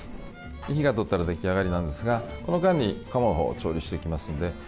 火が通ったら出来上がりなんですがこの間に、鴨のほうの料理を調理していきますので。